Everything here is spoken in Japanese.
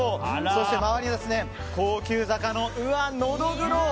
そして周りには高級魚のノドグロ。